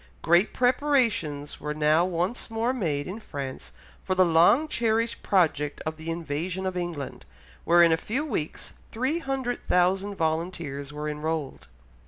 Great preparations were now once more made in France for the long cherished project of the invasion of England, where in a few weeks 300,000 volunteers were enrolled.